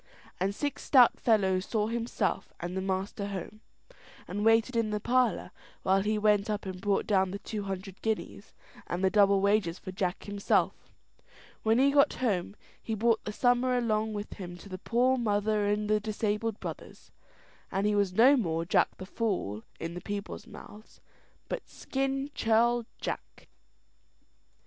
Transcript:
And six stout fellows saw himself and the master home, and waited in the parlour while he went up and brought down the two hundred guineas, and double wages for Jack himself. When he got home, he brought the summer along with him to the poor mother and the disabled brothers; and he was no more Jack the Fool in the people's mouths, but "Skin Churl Jack."